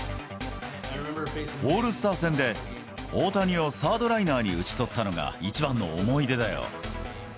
オールスター戦で、大谷をサードライナーに打ち取ったのが、一番の思い出だよ。